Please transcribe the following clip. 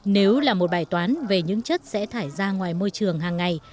nếu là một bài toán về những chất sẽ thải ra ngoài môi trường hàng ngày